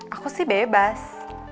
aku sih bebas